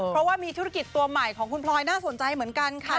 เพราะว่ามีธุรกิจตัวใหม่ของคุณพลอยน่าสนใจเหมือนกันค่ะ